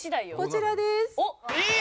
こちらです。